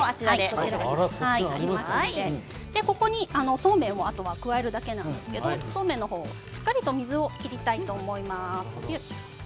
ここに、そうめんを加えるだけなんですけどそうめんは、しっかり水を切りたいと思います。